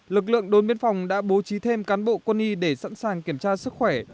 lực lượng đồn biên phòng đã bố trí thêm cán bộ quân y để sẵn sàng kiểm tra sức khỏe